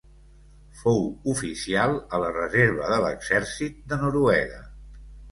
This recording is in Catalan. Fou oficial a la reserva de l'Exèrcit de Noruega.